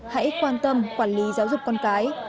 hãy quan tâm quản lý giáo dục con cái